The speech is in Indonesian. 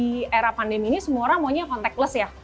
di era pandemi ini semua orang maunya contactless ya